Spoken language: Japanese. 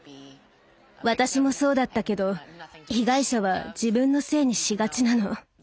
私もそうだったけど被害者は自分のせいにしがちなの。